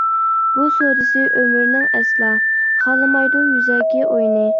بۇ سودىسى ئۆمۈرنىڭ ئەسلا، خالىمايدۇ يۈزەكى ئوينى.